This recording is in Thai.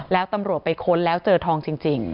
แล้วตำรวจไปค้นแล้วเจอทองจริง